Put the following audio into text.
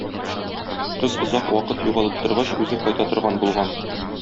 Кыз озак вакыт югалып торгач, үзе кайта торган булган.